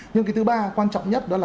nhưng cái thứ ba quan trọng nhất đó là